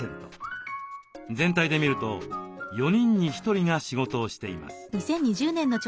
全体で見ると４人に１人が仕事をしています。